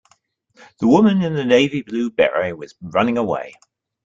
The woman in the navy blue beret was running away.